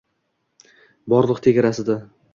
Borliq tegrasida